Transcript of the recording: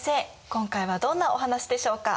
今回はどんなお話でしょうか？